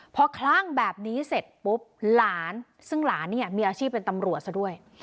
พอคลั่งแบบนี้เสร็จปุ๊บหลานซึ่งหลานเนี่ยมีอาชีพเป็นตำรวจซะด้วย